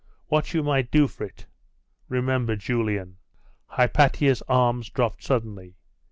What you might do for it!.... Remember Julian!' Hypatia's arms dropped suddenly.